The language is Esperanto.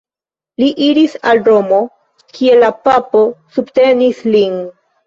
Li iris al Romo, kie la papo subtenis lin.